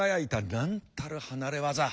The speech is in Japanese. なんたる離れ業。